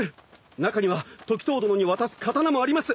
中には時透殿に渡す刀もあります。